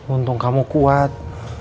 untung kamu kuat